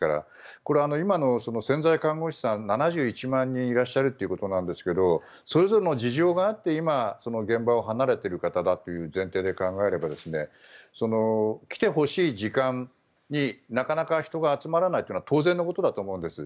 これは今の潜在看護師７１万人いらっしゃるということなんですがそれぞれの事情があって今、現場を離れている方だという前提で考えれば来てほしい時間になかなか人が集まらないというのは当然のことだと思うんです。